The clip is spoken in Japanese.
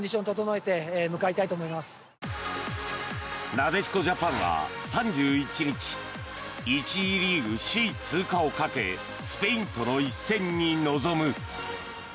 なでしこジャパンは３１日１次リーグ首位通過をかけスペインとの一戦に臨む。